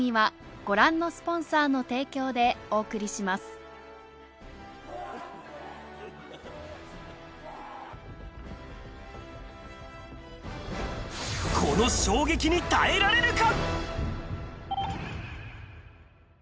今回、この衝撃に耐えられるか？